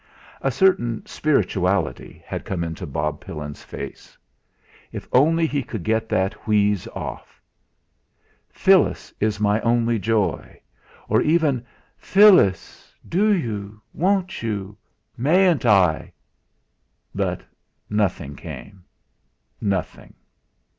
A certain spirituality had come into Bob Pillin's face. If only he could get that wheeze off: "Phyllis is my only joy!" or even: "Phyllis do you won't you mayn't I?" But nothing came nothing.